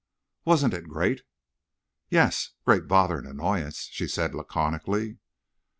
"Wasn't it great?" "Yes—great bother and annoyance," she said, laconically.